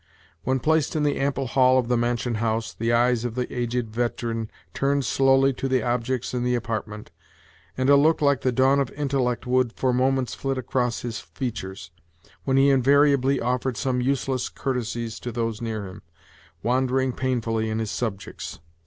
When placed in the ample hall of the mansion house, the eyes of the aged veteran turned slowly to the objects in the apartment, and a look like the dawn of intellect would, for moments flit across his features, when he invariably offered some use less courtesies to those near him, wandering painfully in his subjects.